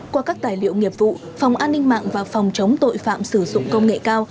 qua các tài liệu nghiệp vụ phòng an ninh mạng và phòng chống tội phạm sử dụng công nghệ cao